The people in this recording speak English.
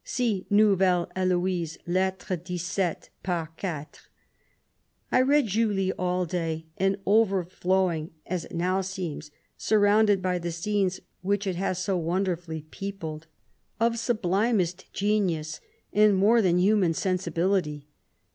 (See Nouvelle Heloise, Leltre 1 T^Part .) J read Julie all day; an overflowing, as it now seems, surrounded by the scenes which it has so wonderfully peopled, 128 of sublimest genius, and more than human sensibility.